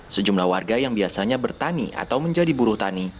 sejumlah warga yang biasanya bertani atau menjadi buruh tani